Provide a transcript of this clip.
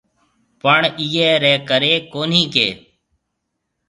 پڻ اِيئي رَي ڪري ڪونھيَََ ڪہ